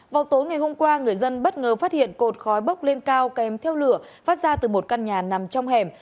vào tối ngày hôm qua người dân bất ngờ phát hiện cột khói bốc lên cao kèm theo lửa phát ra từ một căn nhà nằm trong hẻm